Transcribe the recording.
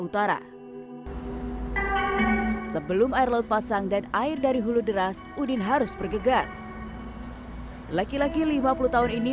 utara sebelum air laut pasang dan air dari hulu deras udin harus bergegas laki laki lima puluh tahun ini